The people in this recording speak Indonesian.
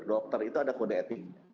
dokter itu ada kode etik